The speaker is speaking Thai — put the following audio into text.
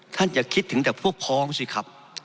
ท่านจะคิดถึงแต่พวกพ้องสิครับ